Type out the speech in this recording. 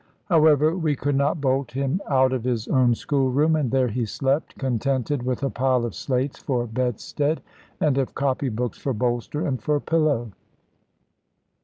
However we could not bolt him out of his own schoolroom, and there he slept, contented with a pile of slates for bedstead, and of copy books for bolster and for pillow.